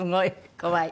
怖い。